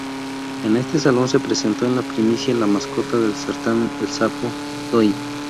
En este salón se presentó en primicia la mascota del certamen, el sapo "Doing".